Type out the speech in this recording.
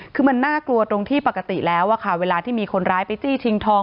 คือมันน่ากลัวตรงที่ปกติแล้วอะค่ะเวลาที่มีคนร้ายไปจี้ชิงทอง